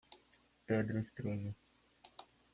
Pedra estranha